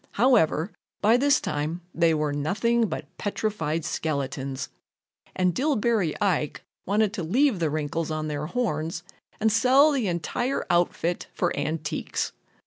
However, by this time they were nothing but petrified skeletons, and Dillbery Ike wanted to leave the wrinkles on their horns and sell the entire outfit for antiques.